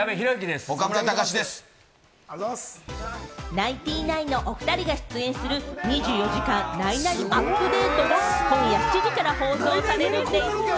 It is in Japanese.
ナインティナインのお２人が出演する『２４時間ナイナイアップデート！！』が今夜７時から放送されるんでぃす！